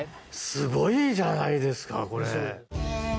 すごいじゃないですか、これ！